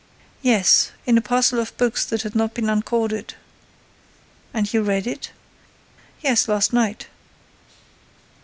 "Yes, in a parcel of books that had not been uncorded." "And you read it?" "Yes, last night."